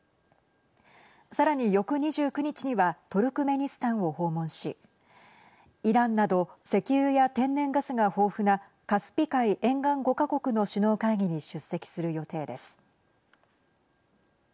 さらに翌２９日にはトルクメニスタンを訪問しイランなど石油や天然ガスが豊富なカスピ海沿岸５か国の首脳会議に出席する予定です。